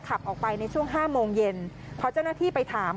ขับออกไปในช่วงห้าโมงเย็นพอเจ้าหน้าที่ไปถาม